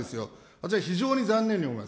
私は非常に残念に思います。